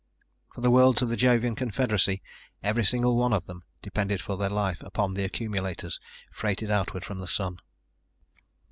For the worlds of the Jovian confederacy, every single one of them, depended for their life upon the accumulators freighted outward from the Sun.